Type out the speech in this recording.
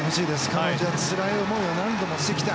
彼女はつらい思いを何度もしてきた。